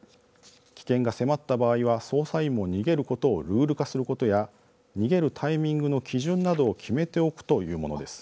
危険が迫った場合は、操作員も逃げることをルール化することや逃げるタイミングの基準などを決めておくというものです。